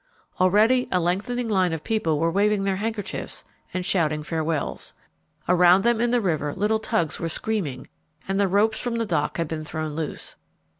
Already a lengthening line of people were waving their handkerchiefs and shouting farewells. Around them in the river little tugs were screaming, and the ropes from the dock had been thrown loose.